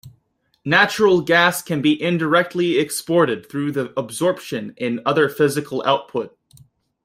Natural gas can be indirectly exported through the absorption in other physical output.